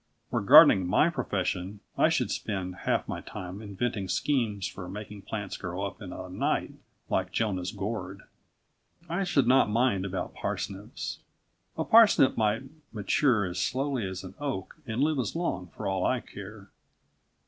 Were gardening my profession, I should spend half my time inventing schemes for making plants grow up in a night like Jonah's gourd. I should not mind about parsnips. A parsnip might mature as slowly as an oak and live as long for all I care.